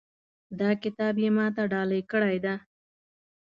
دا کتاب یې ما ته ډالۍ کړی ده